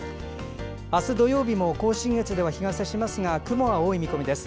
明日、土曜日も甲信越では日がさしますが雲が多い見込みです。